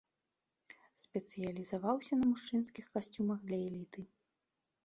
Спецыялізаваўся на мужчынскіх касцюмах для эліты.